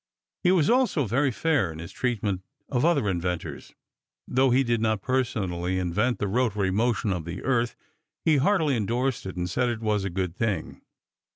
He was also very fair in his treatment of other inventors. Though he did not personally invent the rotary motion of the earth, he heartily indorsed it and said it was a good thing.